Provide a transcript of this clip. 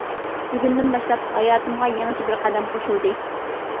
بۈگۈندىن باشلاپ ھاياتىمغا يېڭىچە بىر قەدەم قوشۇلدى.